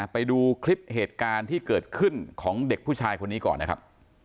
ไปดูคลิปเหตุการณ์ที่เกิดขึ้นของเด็กผู้ชายคนนี้ก่อนนะครับ